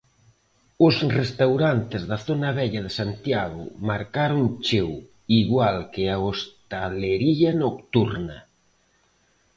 Os restaurantes da zona vella de Santiago marcaron cheo, igual que a hostalería nocturna.